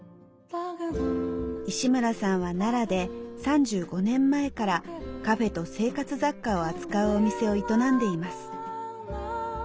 石村さんは奈良で３５年前からカフェと生活雑貨を扱うお店を営んでいます。